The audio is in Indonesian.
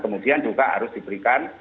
kemudian juga harus diberikan